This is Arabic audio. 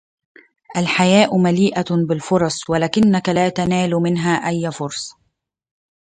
الحياة مليئة بالفرص ولكنك لا تنال منها اي فرصة.